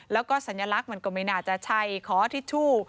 แล้วก็สัญลักษณ์มันก็ไม่น่าจะใช่ขอทิชชู่